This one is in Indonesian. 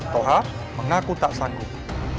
toha mengaku tak sanggup